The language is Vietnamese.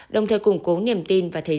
đồng thời củng cố niềm tin và thể hiện